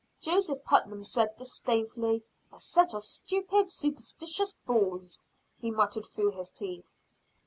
Joseph Putnam smiled disdainfully. "A set of stupid, superstitious fools!" he muttered through his teeth.